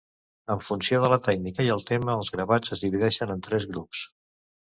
En funció de la tècnica i el tema els gravats es divideixen en tres grups.